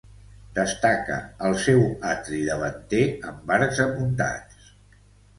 Destaca el seu atri davanter amb arcs apuntats.